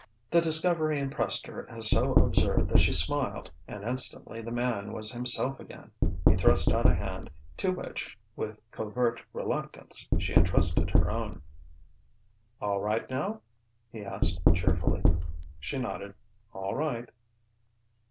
The discovery impressed her as so absurd that she smiled; and instantly the man was himself again. He thrust out a hand, to which with covert reluctance she entrusted her own. "All right now?" he asked cheerfully. She nodded: "All right."